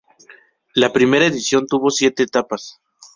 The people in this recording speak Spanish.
La primera edición tuvo siete etapas.